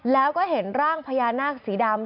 แล้วก็เห็นร่างพญานาคสีดำ